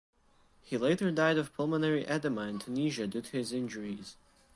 He later died of pulmonary edema in Tunisia due to his injuries.